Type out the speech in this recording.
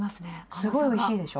すごいおいしいでしょ？